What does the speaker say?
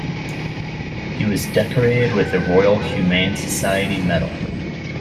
He was decorated with the Royal Humane Society Medal.